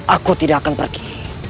aku tidak akan pergi